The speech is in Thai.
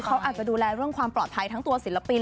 เขาอาจจะดูแลเรื่องความปลอดภัยทั้งตัวศิลปิน